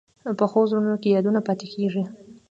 پخو زړونو کې یادونه پاتې کېږي